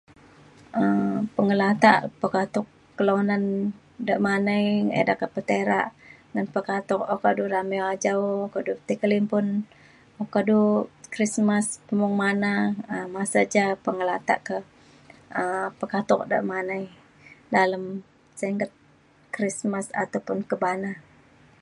um pengelatak pekatuk kelunan demanai ida ketai petera ngan pekatuk oka du rami ajau oka du tai kelimpun oka du Krismas pemung mana um masa ja pengelatak ke um pekatuk demanai dalem singget Krismas ataupun kebana